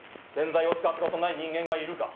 ゴミを出したことのない人間がいるか？